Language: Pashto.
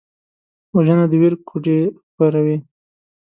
وژنه د ویر کوډې خپروي